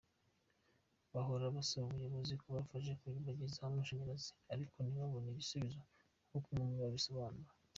Bahora basaba ubuyobozi kubafasha kubagezaho amashanyarazi ariko ntibabone igisubizo; nkuko umwe muri bo abisobanura.